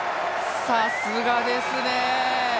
さすがですね。